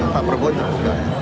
pak prabowo terbuka